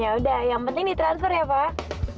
ya udah yang penting ditransfer ya pak